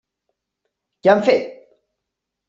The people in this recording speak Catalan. Què han fet?